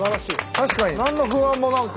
確かに何の不安もなく。